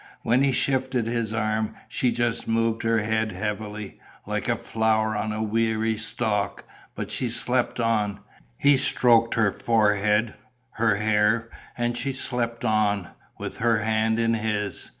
When he shifted his arm, she just moved her head heavily, like a flower on a weary stalk, but she slept on. He stroked her forehead, her hair; and she slept on, with her hand in his.